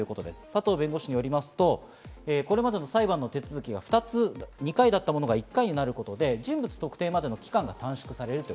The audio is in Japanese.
佐藤弁護士によりますと、これまでの裁判の手続き、２回だったものが１回になることで人物特定までの期間が短縮されると。